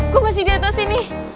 gue masih di atas sini